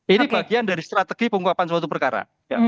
ini bagian dari strategi pengungkapan suatu perkara